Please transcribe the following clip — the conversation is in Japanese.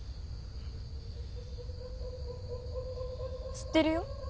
知ってるよ